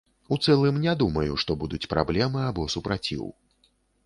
У цэлым не думаю, што будуць праблемы або супраціў.